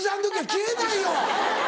消えないよ！